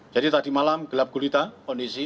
jadi tadi malam gelap gulita kondisi